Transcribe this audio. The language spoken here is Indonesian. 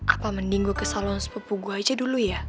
apa mending gue ke salon sepupu gue aja dulu ya